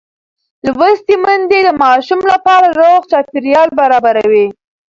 لوستې میندې د ماشوم لپاره روغ چاپېریال برابروي.